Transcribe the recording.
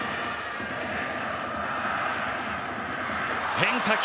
変化球！